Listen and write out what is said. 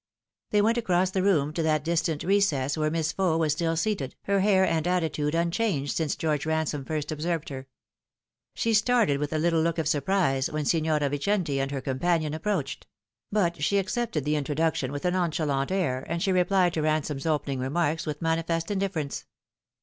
They went across the room to that distant recess where Miss Faux was still seated, her hair and attitude unchanged since George Ransome first observed her. She started with a little look of surprise when Signora Yicenti and her companion ap proached ; but she accepted the introduction with a nonchalant air, and she replied to Ransome's opening remarks with manifest indifference.